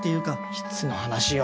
いつの話よ！